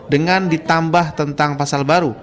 dengan ditambah tentang pasal baru